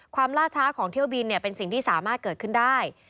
ล่าช้าของเที่ยวบินเป็นสิ่งที่สามารถเกิดขึ้นได้